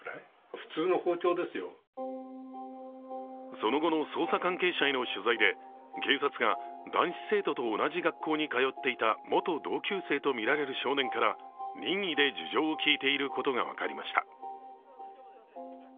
その後の捜査関係者への取材で、警察が男子生徒と同じ学校に通っていた元同級生とみられる少年から任意で事情を聴いていることが分かりました。